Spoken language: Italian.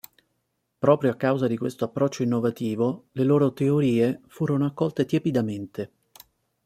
Proprio a causa di questo approccio innovativo le loro teorie furono accolte tiepidamente.